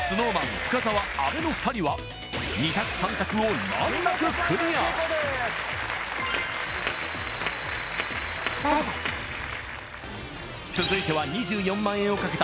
深澤阿部の２人は２択３択を難なくクリア続いては２４万円をかけた